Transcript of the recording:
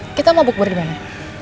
eh kita mau bukbur dimana